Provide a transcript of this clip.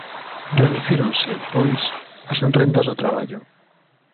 Reducíronse, pois, as rendas do traballo.